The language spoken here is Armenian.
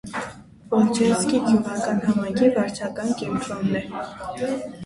Վոլչենսկի գյուղական համայնքի վարչական կենտրոնն է։